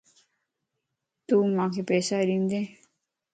تو مانک پيسا ڏيندين